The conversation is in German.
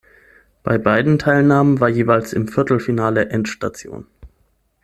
Bei beiden Teilnahmen war jeweils im Viertelfinale Endstation.